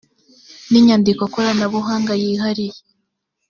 n inyandiko koranabuhanga yihariye